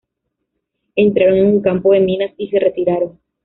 Entraron en un campo de minas y se retiraron.